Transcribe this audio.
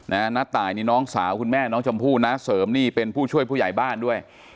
น้าตายนี่น้องสาวคุณแม่น้องชมพู่นะเสริมนี่เป็นผู้ช่วยผู้ใหญ่บ้านด้วย